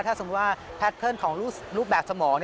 ถ้าสมมุติว่าแพทเพิร์นของรูปแบบสมอง